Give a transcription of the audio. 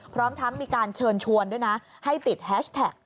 พร้อมทั้งมีการเชิญชวนด้วยนะให้ติดแฮชแท็ก